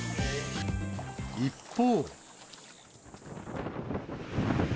一方。